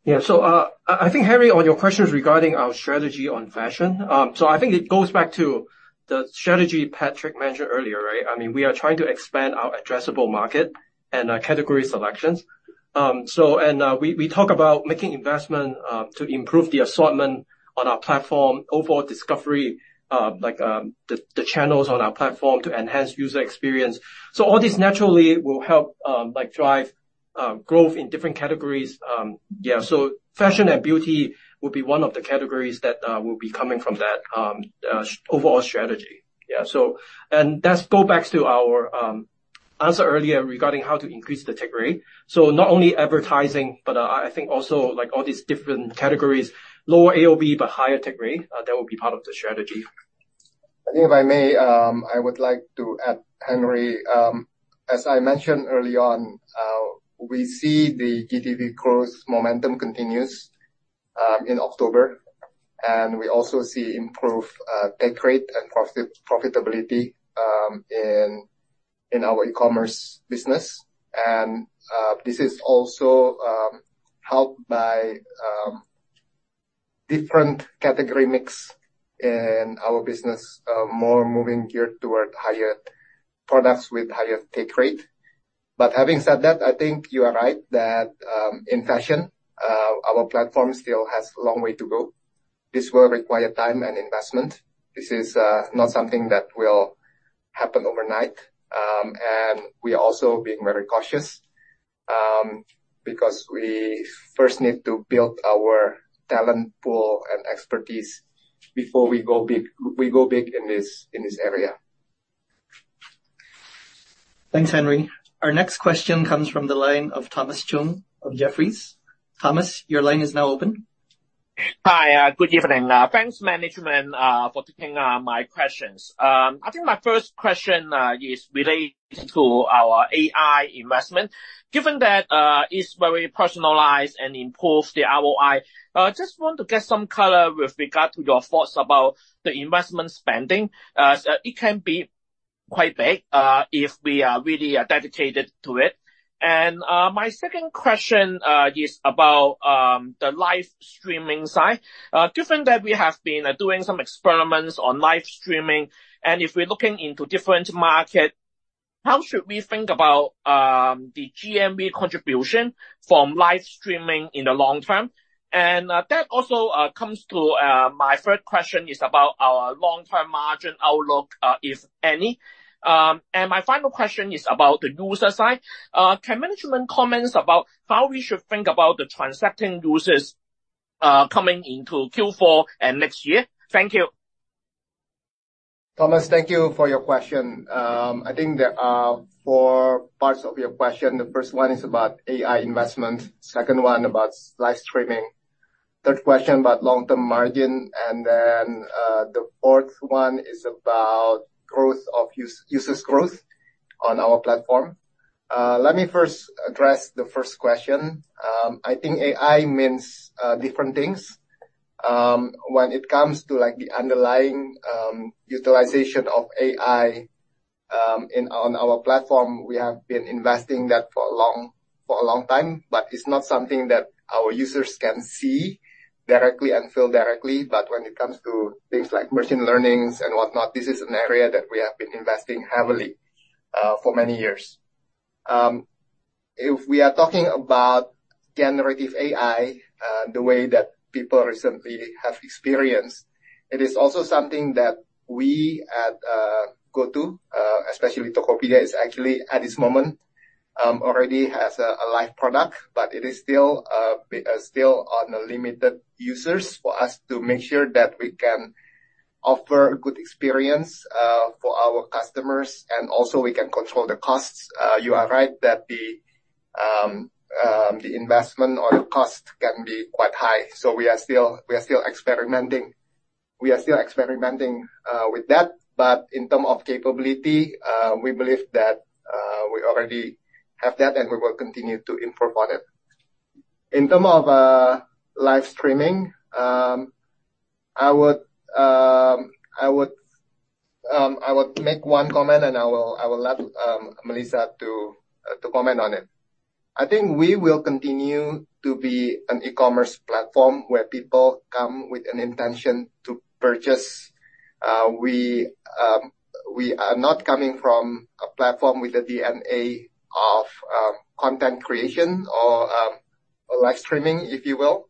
Yeah. So, I think, Henry, on your questions regarding our strategy on fashion, so I think it goes back to the strategy Patrick mentioned earlier, right? I mean, we are trying to expand our addressable market and our category selections. So and, we talk about making investment to improve the assortment on our platform, overall discovery, like, the channels on our platform to enhance user experience. So all this naturally will help, like, drive growth in different categories. Yeah, so fashion and beauty will be one of the categories that will be coming from that overall strategy. Yeah, so... And that goes back to our answer earlier regarding how to increase the take rate. So not only advertising, but I think also, like, all these different categories, lower AOV, but higher take rate, that will be part of the strategy. I think if I may, I would like to add, Henry, as I mentioned early on, we see the GTV growth momentum continues in October, and we also see improved take rate and profitability in our e-commerce business. And this is also helped by different category mix in our business, more moving geared toward higher products with higher take rate. But having said that, I think you are right that in fashion our platform still has a long way to go. This will require time and investment. This is not something that will happen overnight, and we are also being very cautious because we first need to build our talent pool and expertise before we go big, we go big in this, in this area. Thanks, Henry. Our next question comes from the line of Thomas Chong, of Jefferies. Thomas, your line is now open. Hi, good evening. Thanks, management, for taking my questions. I think my first question is related to our AI investment. Given that, it's very personalized and improves the ROI, just want to get some color with regard to your thoughts about the investment spending. So it can be quite big, if we are really dedicated to it. My second question is about the live streaming side. Given that we have been doing some experiments on live streaming, and if we're looking into different market, how should we think about the GMV contribution from live streaming in the long term? That also comes to my third question, which is about our long-term margin outlook, if any. My final question is about the user side. Can management comment about how we should think about the transacting users coming into Q4 and next year? Thank you. Thomas, thank you for your question. I think there are four parts of your question. The first one is about AI investment, second one about live streaming, third question about long-term margin, and then, the fourth one is about growth of users growth on our platform. Let me first address the first question. I think AI means different things. When it comes to, like, the underlying utilization of AI in on our platform, we have been investing that for a long time, but it's not something that our users can see directly and feel directly. But when it comes to things like machine learnings and whatnot, this is an area that we have been investing heavily for many years. If we are talking about generative AI, the way that people recently have experienced, it is also something that we at GoTo, especially Tokopedia, is actually at this moment already has a live product, but it is still still on the limited users for us to make sure that we can offer a good experience for our customers, and also we can control the costs. You are right that the the investment or the cost can be quite high, so we are still, we are still experimenting with that. But in term of capability, we believe that we already have that, and we will continue to improve on it. In terms of live streaming, I would make one comment, and I will let Melissa comment on it. I think we will continue to be an e-commerce platform, where people come with an intention to purchase. We are not coming from a platform with a DNA of content creation or live streaming, if you will.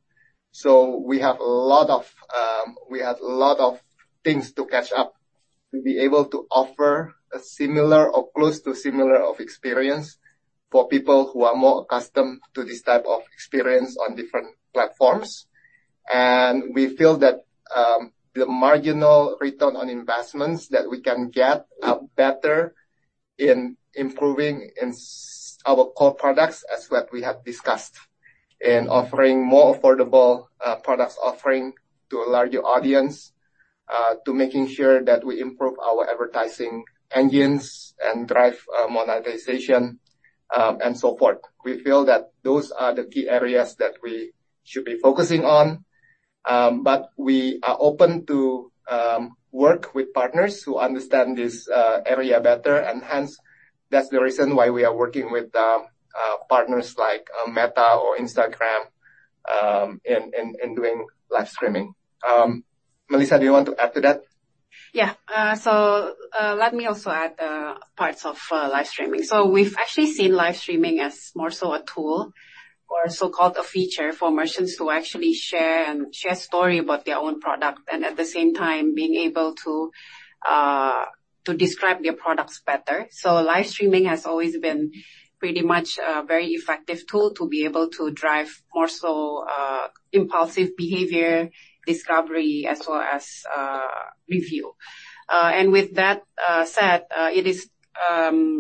So we have a lot of things to catch up, to be able to offer a similar or close to similar experience for people who are more accustomed to this type of experience on different platforms. We feel that the marginal return on investments that we can get are better in improving our core products, as what we have discussed, in offering more affordable products offering to a larger audience, to making sure that we improve our advertising engines and drive monetization, and so forth. We feel that those are the key areas that we should be focusing on. But we are open to work with partners who understand this area better, and hence, that's the reason why we are working with partners like Meta or Instagram in doing live streaming. Melissa, do you want to add to that? Yeah. So, let me also add parts of live streaming. So we've actually seen live streaming as more so a tool or so-called a feature for merchants to actually share and share story about their own product, and at the same time, being able to to describe their products better. So live streaming has always been pretty much a very effective tool to be able to drive more so impulsive behavior, discovery, as well as review. And with that said, it is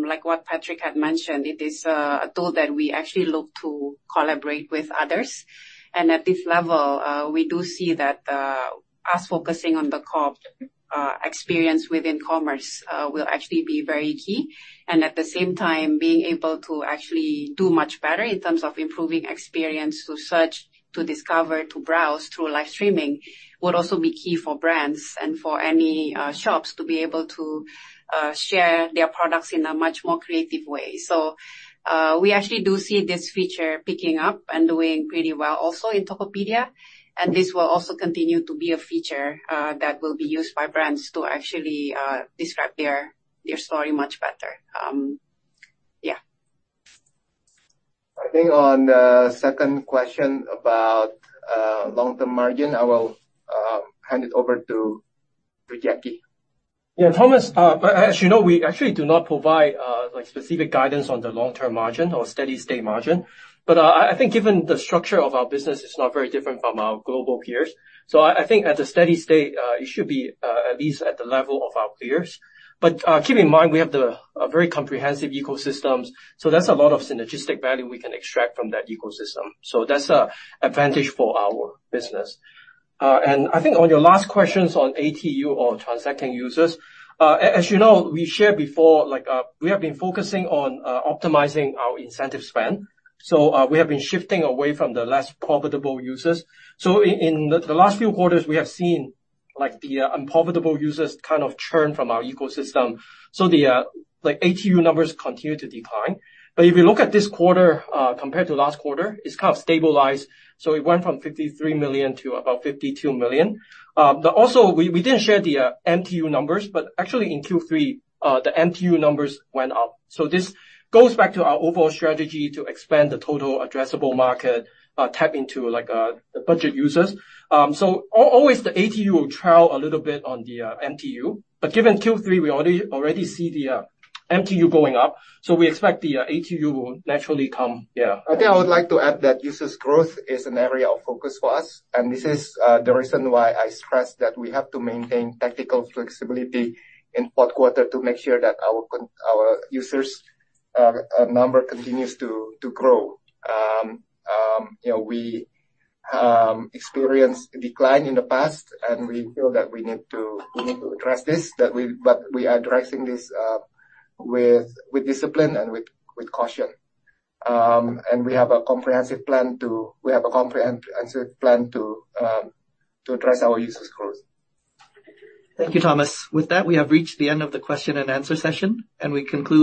like what Patrick had mentioned, it is a tool that we actually look to collaborate with others. And at this level, we do see that us focusing on the core experience within commerce will actually be very key. And at the same time, being able to actually do much better in terms of improving experience to search, to discover, to browse, through live streaming, would also be key for brands and for any, shops to be able to, share their products in a much more creative way. So, we actually do see this feature picking up and doing pretty well also in Tokopedia, and this will also continue to be a feature, that will be used by brands to actually, describe their, their story much better. I think on the second question about long-term margin, I will hand it over to Jacky. Yeah, Thomas, as you know, we actually do not provide, like, specific guidance on the long-term margin or steady-state margin, but, I, I think given the structure of our business, it's not very different from our global peers. So I, I think at the steady state, it should be, at least at the level of our peers. But, keep in mind, we have the, a very comprehensive ecosystems, so that's a lot of synergistic value we can extract from that ecosystem, so that's a advantage for our business. And I think on your last questions on ATU or transacting users, as you know, we shared before, like, we have been focusing on, optimizing our incentive spend. So, we have been shifting away from the less profitable users. So in the last few quarters, we have seen, like, the unprofitable users kind of churn from our ecosystem, so the, like, ATU numbers continue to decline. But if you look at this quarter, compared to last quarter, it's kind of stabilized. So it went from 53 million to about 52 million. But also, we didn't share the MTU numbers, but actually in Q3, the MTU numbers went up. So this goes back to our overall strategy to expand the total addressable market, tap into, like, the budget users. So always, the ATU will trail a little bit on the MTU, but given Q3, we already see the MTU going up, so we expect the ATU will naturally come... Yeah. I think I would like to add that users' growth is an area of focus for us, and this is the reason why I stress that we have to maintain tactical flexibility in fourth quarter, to make sure that our users' number continues to grow. You know, we experienced decline in the past, and we feel that we need to address this. But we are addressing this with discipline and with caution. And we have a comprehensive plan to address our users' growth. Thank you, Thomas. With that, we have reached the end of the question and answer session, and we conclude today.